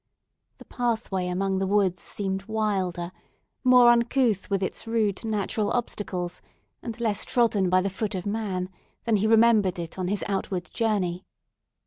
The pathway among the woods seemed wilder, more uncouth with its rude natural obstacles, and less trodden by the foot of man, than he remembered it on his outward journey.